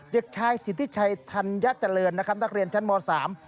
เด็กชายสิริชัยธัญญาเจริญนักเรียนชั้นม๓